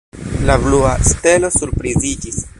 La blua stelo surpriziĝis.